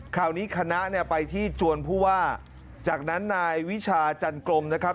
คณะเนี่ยไปที่จวนผู้ว่าจากนั้นนายวิชาจันกรมนะครับ